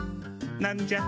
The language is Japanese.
なんじゃ？